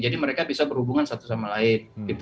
jadi mereka bisa berhubungan satu sama lain